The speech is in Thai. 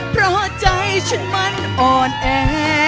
เพราะใจฉันมันอ่อนแอ